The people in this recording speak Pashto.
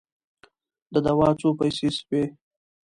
د دوا څو پیسې سوې؟